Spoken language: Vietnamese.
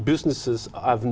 dễ dàng hơn